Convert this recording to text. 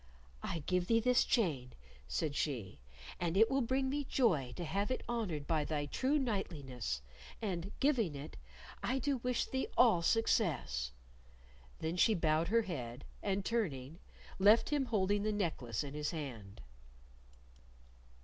"I give thee this chain," said she, "and it will bring me joy to have it honored by thy true knightliness, and, giving it, I do wish thee all success." Then she bowed her head, and, turning, left him holding the necklace in his hand.